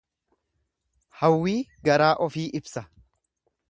Hawwii garaa ofii ibsa.